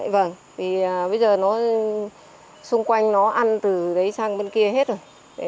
vâng vì bây giờ nó xung quanh nó ăn từ đấy sang bên kia hết rồi